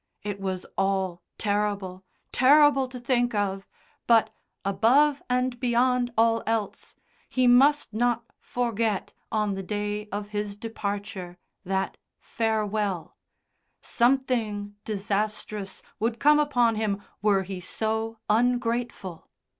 It was all terrible, terrible to think of, but, above and beyond all else, he must not forget, on the day of his departure, that farewell; something disastrous would come upon him were he so ungrateful.